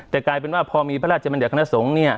แต่กลายเป็นว่าพอมีพระราชบัญญัติขณะสงฆ์